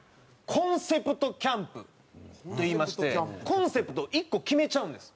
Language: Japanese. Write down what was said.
コンセプトキャンプといいましてコンセプトを１個決めちゃうんです。